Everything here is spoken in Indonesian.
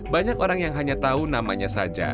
banyak orang yang hanya tahu namanya saja